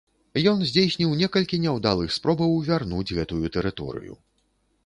Ён здзейсніў некалькі няўдалых спробаў вярнуць гэтую тэрыторыю.